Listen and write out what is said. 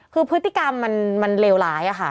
คือพฤติกรรมมันเลวร้ายค่ะ